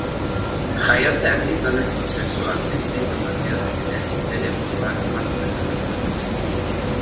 Jaiotzean gizonezko sexua esleitu bazioten ere, bere burua emakumetzat dauka.